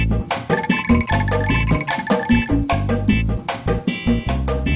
kemudian terpatar dalam k workshop ebay